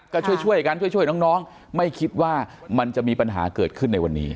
ก็ช่วยกันช่วยน้องไม่คิดว่ามันจะมีปัญหาเกิดขึ้นในวันนี้